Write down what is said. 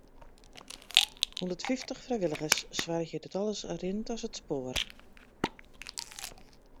Hûndertfyftich frijwilligers soargje dat alles rint as it spoar.